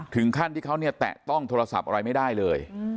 ถึงขั้นที่เขาเนี่ยแตะต้องโทรศัพท์อะไรไม่ได้เลย